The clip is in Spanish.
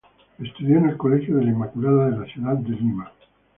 Estudió en el Colegio de la Inmaculada de la ciudad de Lima.